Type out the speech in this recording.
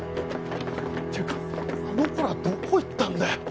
ていうかあの子らどこ行ったんだよ。